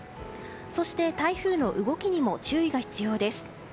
そして、台風の動きにも注意が必要です。